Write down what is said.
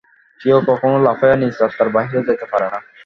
কেহ কখনও লাফাইয়া নিজ আত্মার বাহিরে যাইতে পারে না।